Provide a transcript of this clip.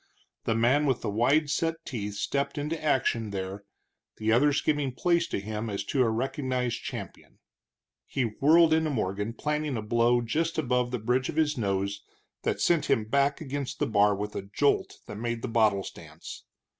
The man with the wide set teeth stepped into action there, the others giving place to him as to a recognized champion. He whirled into Morgan, planting a blow just above the bridge of his nose that sent him back against the bar with a jolt that made the bottles dance.